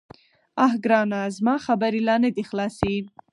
_اه ګرانه، زما خبرې لا نه دې خلاصي.